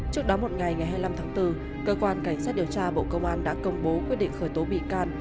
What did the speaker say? trước đó một ngày ngày hai mươi năm tháng bốn cơ quan cảnh sát điều tra bộ công an đã công bố quyết định khởi tố bị can